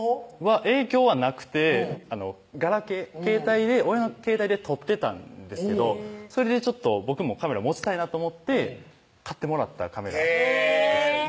影響はなくてガラケー携帯で撮ってたんですけどそれでちょっと僕もカメラ持ちたいなと思って買ってもらったカメラですね